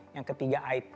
yang ketiga it